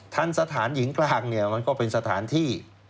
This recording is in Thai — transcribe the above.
ทันสถานหญิงกลางเนี่ยมันก็เป็นสถานที่